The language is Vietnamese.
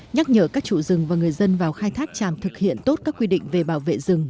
nhắc nhở các chủ rừng và người dân vào khai thác tràm thực hiện tốt các quy định về bảo vệ rừng